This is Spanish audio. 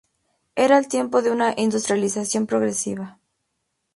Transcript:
Era el tiempo de una industrialización progresiva.